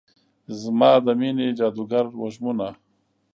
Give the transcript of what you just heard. زما د میینې جادوګر وږمونه